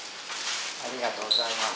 ありがとうございます。